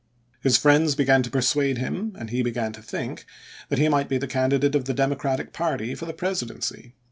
His friends began to persuade him, and he began to think, that he might be the candidate of the Democratic party for the Presidency.